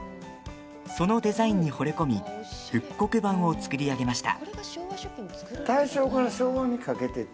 そのデザインにほれ込み復刻版を作り上げました。